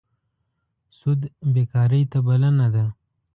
سود بېکارۍ ته بلنه ده.